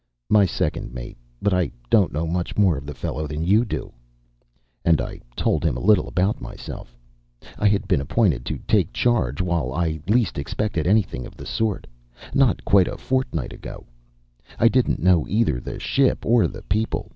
"My second mate. But I don't know much more of the fellow than you do." And I told him a little about myself. I had been appointed to take charge while I least expected anything of the sort, not quite a fortnight ago. I didn't know either the ship or the people.